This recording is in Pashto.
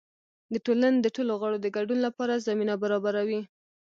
د ټولنې د ټولو غړو د ګډون لپاره زمینه برابروي.